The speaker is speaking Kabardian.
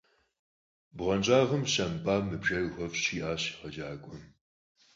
- Бгъуэнщӏагъым фыщамыпӏамэ, мы бжэр къухуэфщӏ, – жиӏащ егъэджакӏуэм.